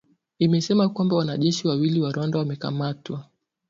imesema kwamba wanajeshi wawili wa Rwanda wamekamatwa